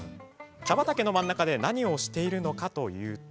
茶畑の真ん中で何をしているのかというと。